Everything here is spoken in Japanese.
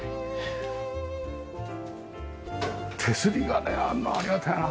手すりがねあるのありがたいな。